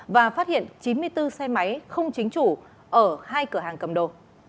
và phát hiện chín mươi bốn xe máy không chính chủ ở hai cửa hàng cầm đồ